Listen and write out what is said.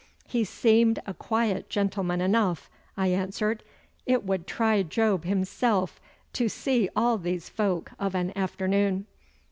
'He seemed a quiet gentleman enough,' I answered. 'It would try Job himself to see all these folk of an afternoon.